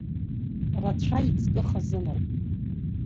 Рацәа иҵкы хазыноуп!